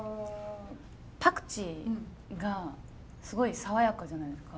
パクチーがすごい爽やかじゃないですか。